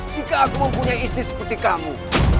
jika aku mempunyai istri seperti kamu